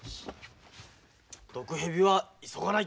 「毒蛇はいそがない」。